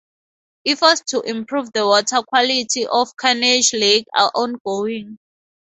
Efforts to improve the water quality of Carnegie Lake are ongoing.